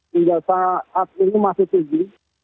hingga saat ini masih tinggi